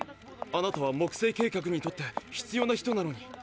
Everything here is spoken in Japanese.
あなたは木星計画にとって必要な人なのに。